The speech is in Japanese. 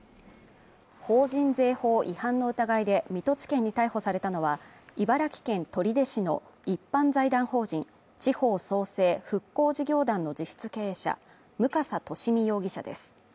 法人税法違反の疑いで、水戸地検に逮捕されたのは、茨城県取手市の一般財団法人地方創生復興事業団の実質経営者武笠利美容疑者です。